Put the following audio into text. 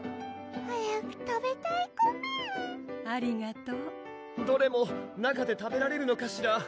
早く食べたいコメありがとうどれも中で食べられるのかしら？